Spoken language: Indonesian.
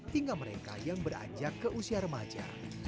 hingga mereka yang beranjak ke usia remaja